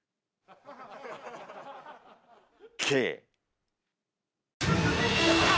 Ｋ。